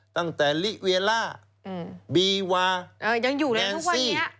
ตั้งแต่ลิเวล่าบีวาแมนซี่